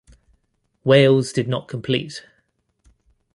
Wales did not complete.